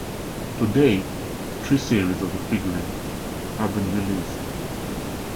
To date, three series of the figurines have been released.